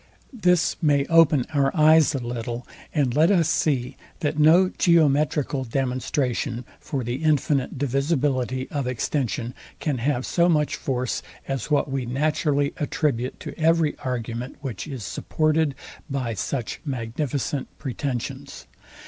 This may open our eyes a little, and let us see, that no geometrical demonstration for the infinite divisibility of extension can have so much force as what we naturally attribute to every argument, which is supported by such magnificent pretensions.